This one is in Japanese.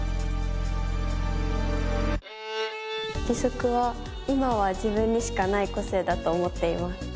義足は今は自分にしかない個性だと思っています。